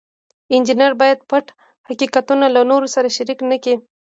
انجینر باید پټ حقیقتونه له نورو سره شریک نکړي.